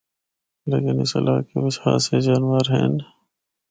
لیکن اس علاقے بچ خاصے جانور ہن۔